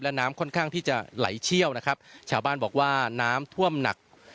และน้ำค่อนข้างที่จะไหลเชี่ยวนะครับชาวบ้านบอกว่าน้ำท่วมหนัก